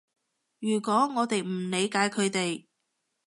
如果我哋唔理解佢哋